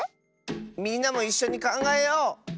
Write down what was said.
みんなもいっしょにかんがえよう！